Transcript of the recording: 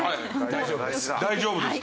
大丈夫ですか？